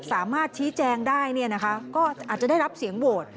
สามารถชี้แจงได้ก็อาจจะได้รับเสียงโหวต